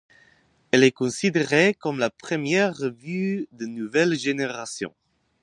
Elle est considérée comme la première revue de nouvelle génération.